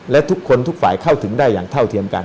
และทุกคนทุกฝ่ายเข้าถึงได้อย่างเท่าเทียมกัน